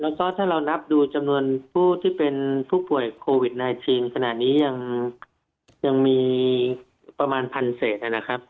แล้วก็ถ้าเรานับดูจำนวนผู้ที่เป็นผู้ป่วยโควิด๑๙ขณะนี้ยังมีประมาณพันเศษนะครับ